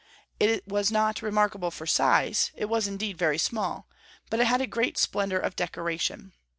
It was not remarkable for size, it was, indeed, very small, but it had great splendor of decoration.